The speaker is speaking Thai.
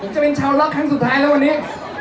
จะเป็นชาวล็อกครั้งสุดท้ายแล้ววันนี้